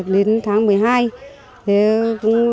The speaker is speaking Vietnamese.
đến tháng một mươi hai